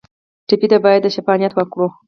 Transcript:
ټپي ته باید د شفا نیت وکړو.